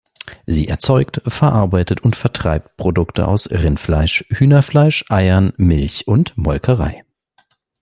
Sie erzeugt, verarbeitet und vertreibt Produkte aus Rindfleisch, Hühnerfleisch, Eiern, Milch und Molkerei.